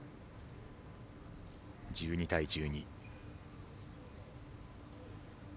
１２対１２。